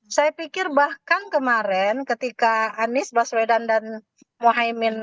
saya pikir bahkan kemarin ketika anies baswedan dan muhaymin